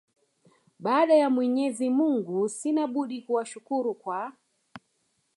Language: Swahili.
Baada ya Mwenyezi mungu sina budi kuwashukuru kwa